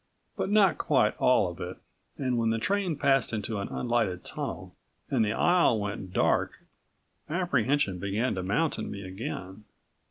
But not quite all of it and when the train passed into an unlighted tunnel and the aisle went dark apprehension began to mount in me again.